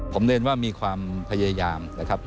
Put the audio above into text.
ผมเรียนว่ามีความพยายามนะครับ